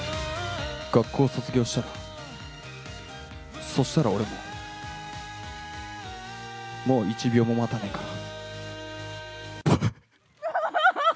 学校を卒業したらそしたら俺ももう１秒も待たねえから。